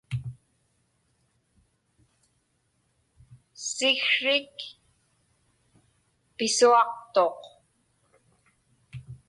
Siksrik pisuaqtuq.